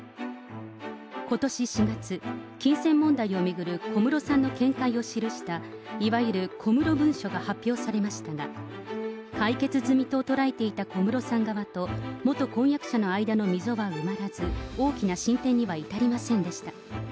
ことし４月、金銭問題を巡る小室さんの見解を記した、いわゆる小室文書が発表されましたが、解決済みと捉えていた小室さん側と、元婚約者の間の溝は埋まらず、大きな進展には至りませんでした。